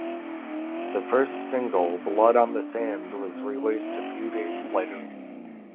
The first single, "Blood on the Sand", was released a few days later.